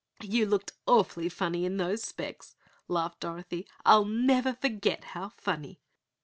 "You looked awfully funny in those specs!" laughed Dorothy. "I'll never forget how funny!"